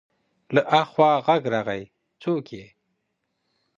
له اخوا غږ راغی: څوک يې؟